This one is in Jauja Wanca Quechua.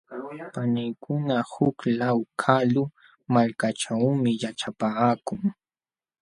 Paniykuna huk law kalu malkaćhuumi yaćhapaakun.